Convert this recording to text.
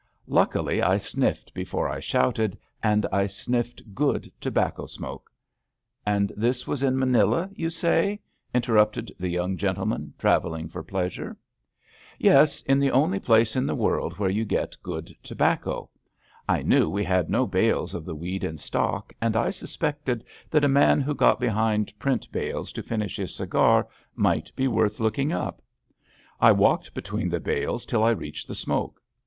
Luckily I sniffed before I shouted, and I sniffed good tobacco smoke/' '' And this was in Manila, yon say? " interrupted the Young Gentleman travelling for Pleasure, Yes, in the only place in the world where yon get good tobacco, I knew we had no bales of the weed in stock, and I suspected that a man who got behind print bales to finish his cigar might be worth looking up, I walked between the bales till I reached the smoke.